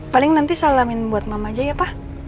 paling nanti salamin buat mama aja ya pak